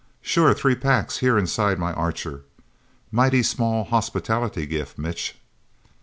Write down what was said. "Sure. Three packs here inside my Archer. Mighty small hospitality gift, Mitch..."